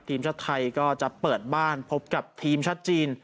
ทีมชาติไทยก็จะเปิดบ้านพบกับทีมชาติจีน